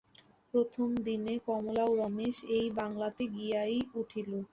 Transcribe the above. প্রথম দিনে কমলা ও রমেশ এই বাংলাতে গিয়াই উঠিল।